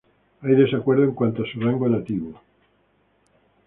Hay desacuerdo en cuanto a su rango nativo.